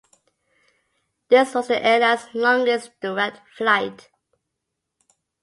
This was the airline's longest direct flight.